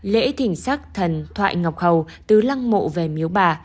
lễ thỉnh sắc thần thoại ngọc hầu từ lăng mộ về miếu bà